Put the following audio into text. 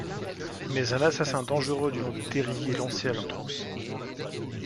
Mais un assassin dangereux du nom de Terry est lancé à leurs trousses.